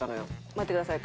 待ってください。